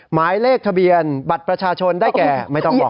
หมายเลขทะเบียนบัตรประชาชนได้แก่ไม่ต้องบอก